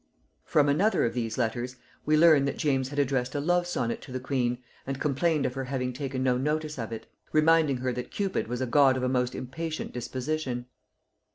]From another of these letters we learn that James had addressed a love sonnet to the queen and complained of her having taken no notice of it; reminding her that Cupid was a God of a most impatient disposition.